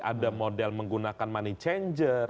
ada model menggunakan money changer